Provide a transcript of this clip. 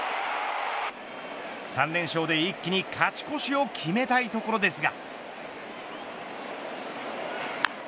３連勝で一気に勝ち越しを決めたいところですが。